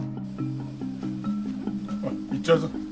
おい行っちゃうぞ。